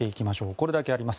これだけあります。